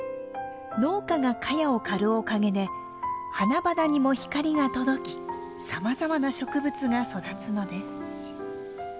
農家がカヤを刈るおかげで花々にも光が届きさまざまな植物が育つのです。